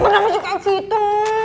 udah masih kayak gitu